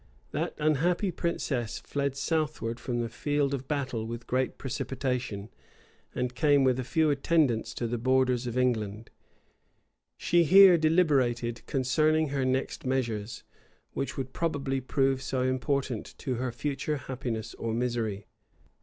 That unhappy princess fled southwards from the field of battle with great precipitation, and came with a few attendants to the borders of England. She here deliberated concerning her next measures, which would probably prove so important to her future happiness or misery.